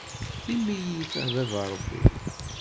Tim-iyi-t a baba Ṛebbi.